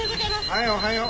はいおはよう。